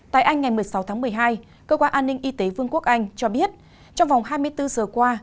tại anh ngày một mươi sáu tháng một mươi hai cơ quan an ninh y tế vương quốc anh cho biết trong vòng hai mươi bốn giờ qua